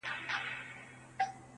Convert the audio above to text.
خپه په دې يم چي زه مرمه او پاتيږي ژوند.